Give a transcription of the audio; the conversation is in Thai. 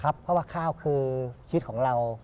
เพราะว่าข้าวคือชีวิตของเรา